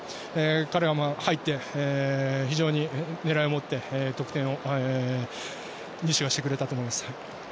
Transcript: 彼は、入って非常に狙いを持って得点をしてくれたと思います。